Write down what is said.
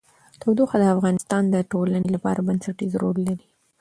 تودوخه د افغانستان د ټولنې لپاره بنسټيز رول لري.